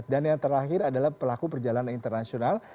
dan yang terakhir adalah pelaku perjalanan internasional